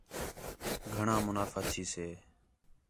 گھݨاں منافع تھیسے